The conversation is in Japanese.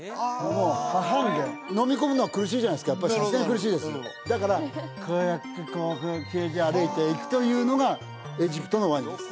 もう挟んでるのみ込むのは苦しいじゃないすかやっぱりさすがに苦しいですだからこうやって歩いていくというのがエジプトのワニです